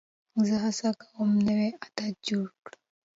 زه هڅه کوم نوی عادت جوړ کړم.